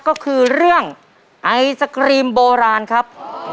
ก็คือเรื่องไอศกรีมโบราณครับ